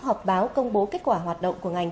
họp báo công bố kết quả hoạt động của ngành